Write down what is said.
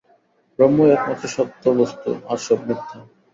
ব্রহ্মই একমাত্র সত্য বস্তু, আর সব মিথ্যা।